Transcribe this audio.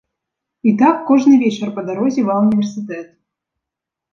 І так кожны вечар па дарозе ва ўніверсітэт.